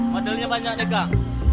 modelnya banyak ya kak